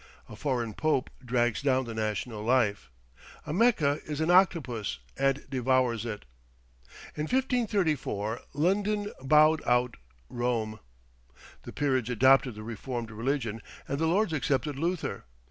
A foreign pope drags down the national life. A Mecca is an octopus, and devours it. In 1534, London bowed out Rome. The peerage adopted the reformed religion, and the Lords accepted Luther.